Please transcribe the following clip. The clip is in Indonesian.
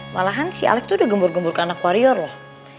malahan si alec tuh udah gembur gembur ke anak warrior loh